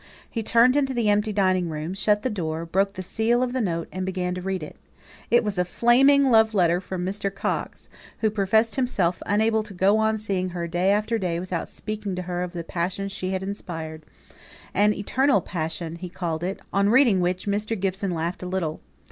He turned into the empty dining room, shut the door, broke the seal of the note, and began to read it. It was a flaming love letter from Mr. Coxe; who professed himself unable to go on seeing her day after day without speaking to her of the passion she had inspired an "eternal passion," he called it; on reading which Mr. Gibson laughed a little.